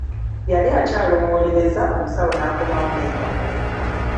Yali akyalowoolereza, omusawo n'akomawo n'empapula.